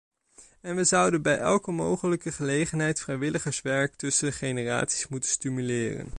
En we zouden bij elke mogelijke gelegenheid vrijwilligerswerk tussen generaties moeten stimuleren.